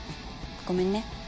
ごめんね。